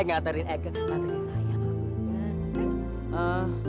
ngaterin eke eh ngaterin eke